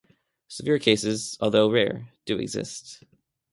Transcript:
Severe cases, although rare, do exist.